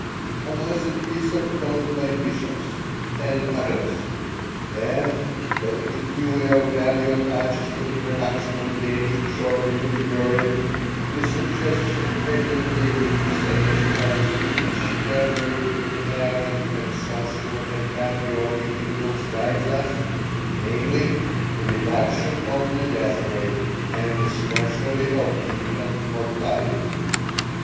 Unless it be supposed by bishops and others, then, that a peculiar value attaches to the production of a baby shortly to be buried, the suggestion evidently is the same as that to which every humanitarian and social and patriotic impulse guides us, namely, the reduction of the death rate, and especially of infant mortality.